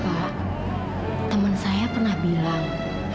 pak teman saya pernah bilang